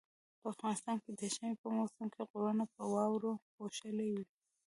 په افغانستان کې د ژمي په موسم کې غرونه په واوري پوښلي وي